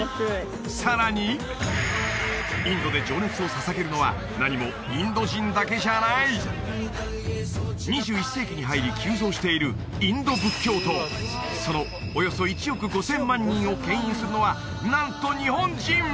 さらにインドで情熱を捧げるのは何もインド人だけじゃない２１世紀に入り急増しているインド仏教徒そのおよそ１億５０００万人をけん引するのはなんと日本人！？